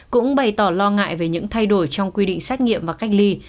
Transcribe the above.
cũng bày tỏ lo ngại về những thay đổi trong quy định xét nghiệm và cách ly